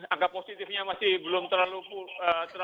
angga positifnya masih belum terlalu rendah